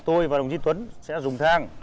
tôi và đồng chí tuấn sẽ dùng thang